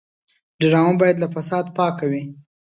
ډرامه باید له فساد پاکه وي